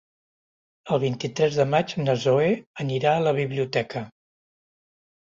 El vint-i-tres de maig na Zoè anirà a la biblioteca.